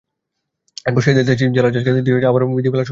এরপর সেই দায়িত্ব জেলা জজকে দিয়ে আবারও বিধিমালা সংশোধন করা হয়।